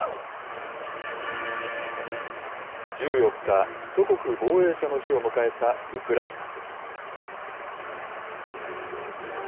１４日、祖国防衛者の日を迎えたウクライナ。